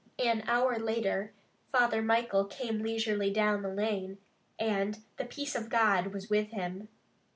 An hour later Father Michael came leisurely down the lane, and the peace of God was with him.